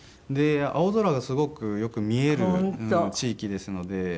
で青空がすごくよく見える地域ですので。